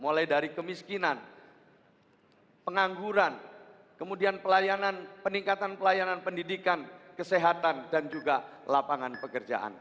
mulai dari kemiskinan pengangguran kemudian peningkatan pelayanan pendidikan kesehatan dan juga lapangan pekerjaan